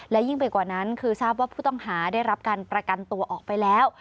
และยิ่งไปกว่านั้นคือทราบว่าผู้ต้องหาได้รับการประกันตัวออกไปแล้ว